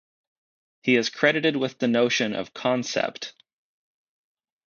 He is credited with the notion of concept.